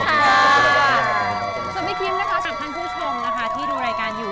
สำหรับทุกคนที่ดูรายการอยู่